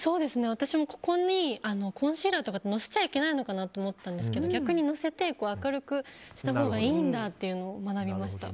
私もここにコンシーラーとかのせちゃいけないのかなって思ってたんですけど逆にのせて明るくしたほうがいいんだっていうのを学びました。